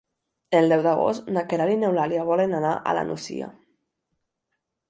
El deu d'agost na Queralt i n'Eulàlia volen anar a la Nucia.